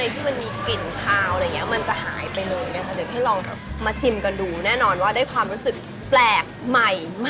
คือทุกโต๊ะก็จะมีแบบนี้นะคะค่ะ